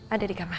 ada di kamar